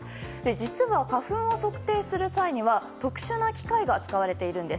実は花粉を測定する際には特殊な機械が使われているんです。